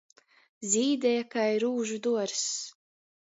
Zīdēja kai rūžu duorzs.